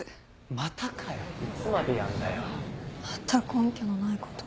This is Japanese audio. また根拠のないことを。